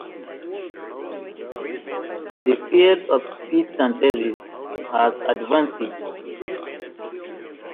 It includes small design style changes.